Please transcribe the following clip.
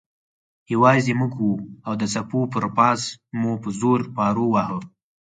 یوازې موږ وو او د څپو پر پاسه مو په زور پارو واهه.